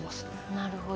なるほど。